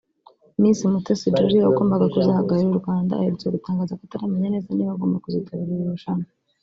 Miss Mutesi Jolly wagombaga kuzahagararira u Rwanda aherutse gutangaza ko ataramenya neza neza niba agomba kuzitabira iri rushanwa